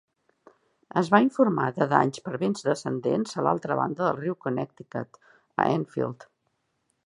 Es va informar de danys per vents descendents a l'altra banda del riu Connecticut a Enfield.